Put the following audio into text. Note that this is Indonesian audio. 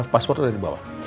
password udah dibawa